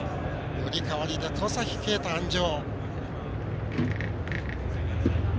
乗り代わりで戸崎圭太鞍上。